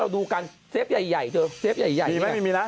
ตู้ใหญ่ไง